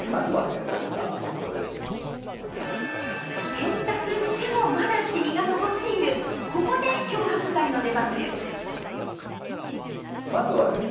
洗濯してもまだシミが残っているここで漂白剤の出番です！